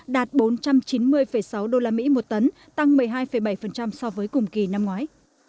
đạt bốn trăm chín mươi sáu usd một tấn tăng một mươi hai bảy so với cùng kỳ năm ngoái